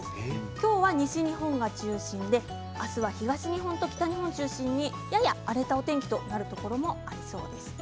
今日は西日本が中心で明日は東日本と北日本中心にやや荒れたお天気になるところもありそうです。